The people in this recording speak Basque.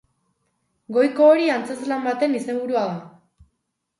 Goiko hori antzezlan baten izenburua da.